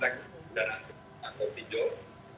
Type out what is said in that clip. yang terdaftar dari anggota ojk